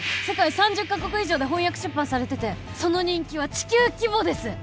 世界３０カ国以上で翻訳出版されててその人気は地球規模です！